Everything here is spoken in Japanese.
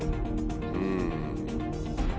うん。